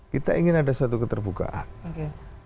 kita ingin ada satu keterbukaan